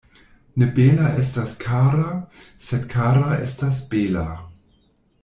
Ne bela estas kara, sed kara estas bela.